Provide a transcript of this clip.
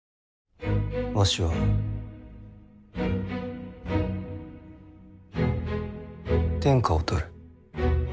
わしは天下を取る。